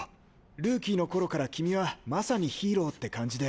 ルーキーの頃から君はまさにヒーローって感じで。